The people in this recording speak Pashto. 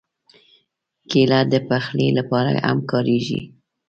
کېله د پخلي لپاره هم کارېږي.